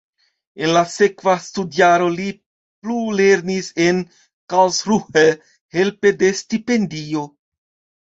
En la sekva studjaro li plulernis en Karlsruhe helpe de stipendio.